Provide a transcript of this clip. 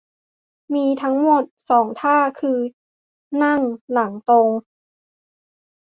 มีทั้งหมด สอง ท่า คือ นั่งหลังตรง